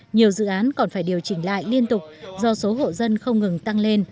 nhiều dự án còn phải điều chỉnh lại liên tục do số hộ dân không ngừng tăng lên